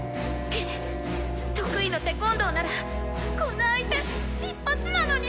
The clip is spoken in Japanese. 「くっ得意のテコンドーならこんな相手一発なのに！」。